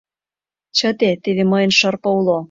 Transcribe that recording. Чыте, теве мыйын шырпе уло.